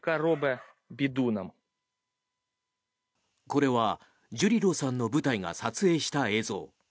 これはジュリロさんの部隊が撮影した映像。